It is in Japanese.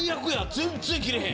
全然切れへん。